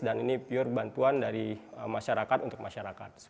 dan ini pure bantuan dari masyarakat untuk masyarakat